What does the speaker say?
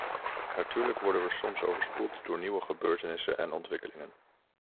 Natuurlijk worden we soms overspoeld door nieuwe gebeurtenissen en ontwikkelingen.